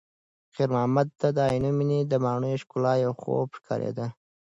خیر محمد ته د عینومېنې د ماڼیو ښکلا یو خوب ښکارېده.